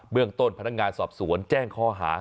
เมืองต้นพนักงานสอบสวนแจ้งข้อหา